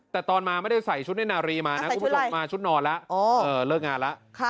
แต่ตอนมาไม่ได้ใส่ชุดในนารีมานะคุณผู้ชมมาชุดนอนแล้วเลิกงานแล้ว